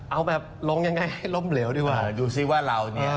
เอาแบบลงยังไงให้ล้มเหลวดีกว่าดูสิว่าเราเนี่ย